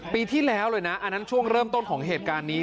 ปีที่แล้วเลยนะอันนั้นช่วงเริ่มต้นของเหตุการณ์นี้